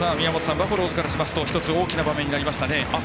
バファローズからしますと１つ大きな場面になりました。